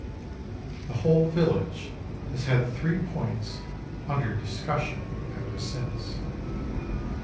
The whole village has had three points under discussion ever since.